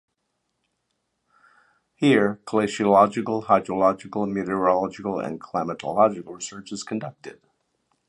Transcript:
Here, glaciological, hydrological, meteorological and climatological research is conducted.